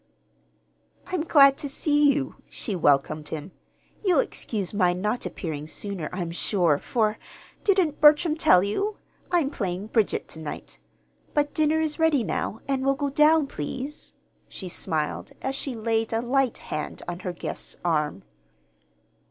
"I'm glad to see you," she welcomed him. "You'll excuse my not appearing sooner, I'm sure, for didn't Bertram tell you? I'm playing Bridget to night. But dinner is ready now, and we'll go down, please," she smiled, as she laid a light hand on her guest's arm.